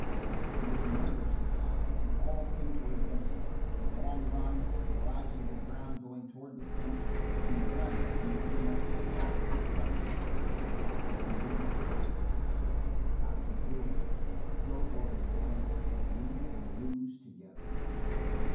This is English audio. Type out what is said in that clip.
It was murderously high, and all things were against him, the long run, the rise of the ground going toward the fence, and the gravel from which he must take off for the jump. "You can do it," said the master. "You got to do it! Go for it, boy. We win or lose together!"